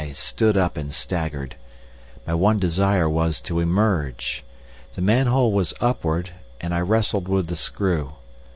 I stood up and staggered. My one desire was to emerge. The manhole was upward, and I wrestled with the screw.